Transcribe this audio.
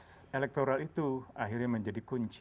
ya memang kredibilitas elektoral itu akhirnya menjadi kunci